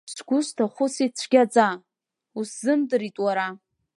Сгәы сҭахәыцит цәгьаӡа, усзымдырит уара.